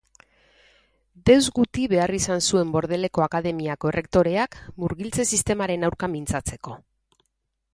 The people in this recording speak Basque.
Deus guti behar izan zuen Bordeleko Akademiako errektoreak murgiltze sistemaren aurka mintzatzeko.